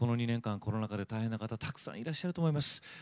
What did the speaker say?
２年間コロナ禍で大変な方たくさんいらっしゃると思います。